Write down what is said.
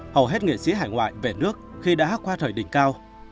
hầu hết nghệ sĩ hải ngoại về nước khi đã qua thời đỉnh cao